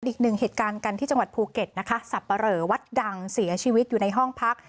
อีกหนึ่งเหตุการณ์กันที่จังหวัดภูเก็ตนะคะสับปะเหลอวัดดังเสียชีวิตอยู่ในห้องพัก